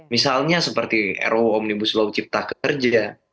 misalnya seperti ruu omnibus law cipta kerja